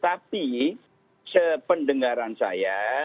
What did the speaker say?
tapi sependengaran saya